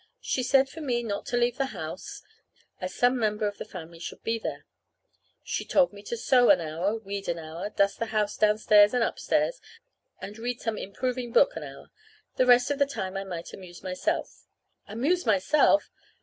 She said for me not to leave the house, as some member of the family should be there. She told me to sew an hour, weed an hour, dust the house downstairs and upstairs, and read some improving book an hour. The rest of the time I might amuse myself. Amuse myself!